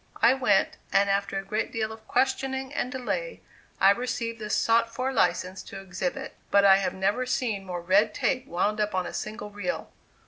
I went, and after a great deal of questioning and delay, I received the sought for license to exhibit; but I have never seen more red tape wound up on a single reel.